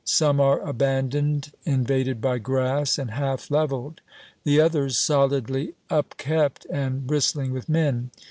Some are abandoned, invaded by grass, and half leveled; the others solidly upkept and bristling with men.